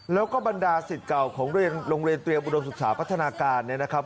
แล้วก็บรรดาสิทธิ์เก่าของโรงเรียนเตรียมอุดมศึกษาพัฒนาการเนี่ยนะครับ